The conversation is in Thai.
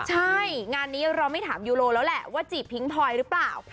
ใช่งานนี้เราไม่ถามยูโรแล้วแหละว่าจีบพิ้งพลอยหรือเปล่า